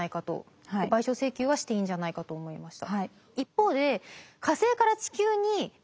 賠償請求はしていいんじゃないかと思いました。